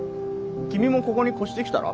君もここに越してきたら？